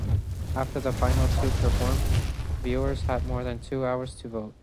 After the final two perform, viewers had more than two hours to vote.